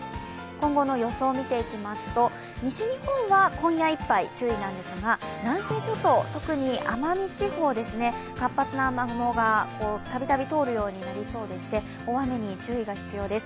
今後の予想を見ていきますと、西日本は今夜いっぱい注意なんですが南西諸島、特に奄美地方は活発な雨雲がたびたび通るようになりそうで大雨に注意が必要です。